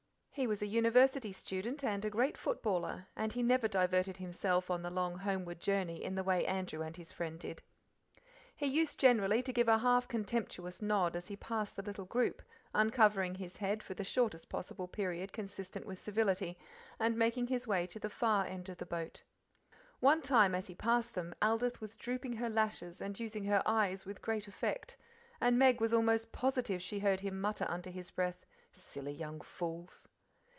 He was a University student, and a great footballer, and he never diverted himself on the long homeward journey in the way Andrew and his friend did. He used generally to give a half contemptuous nod as he passed the little group, uncovering his head for the shortest possible period consistent with civility, and making his way to the far end of the boat. One time as he passed them Aldith was drooping her lashes and using her eyes with great effect, and Meg was almost positive she heard him mutter under his breath, "Silly young fools!"